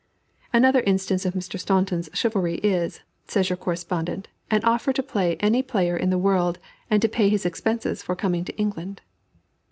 Another instance of Mr. Staunton's chivalry is, says your correspondent, an offer to "play any player in the world, and to pay his expenses for coming to England."